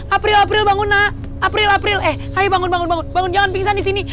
april bangun nak april eh bangun jangan pingsan disini